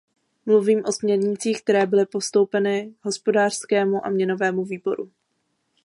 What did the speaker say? Mluvím o směrnicích, které byly postoupeny Hospodářskému a měnovému výboru.